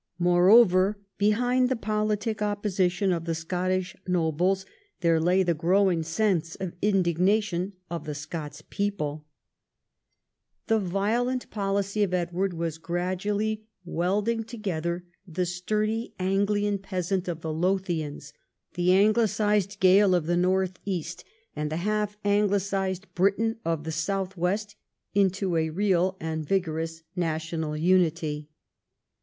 Moreover, behind the politic opposition of the Scottish nobles, there lay the growing sense of indignation of the Scots people. The XII THE CONQUEST OF SCOTLAND 201 violent policy of Edward was gradually welding together the sturdy Anglian peasant of the Lothian s, the Anglicised Gael of the north east, and the half Anglicised Briton of the south west, into a real and vigorous national unity.